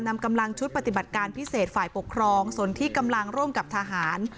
นำกำลังชุดปฏิบัติการพิเศษฝ่ายปกครองส่วนที่กำลังร่วมกับทหาร